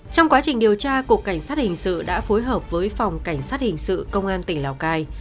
trong quá trình điều tra cục cảnh sát hình sự đã phối hợp với phòng cảnh sát hình sự công an tỉnh lào cai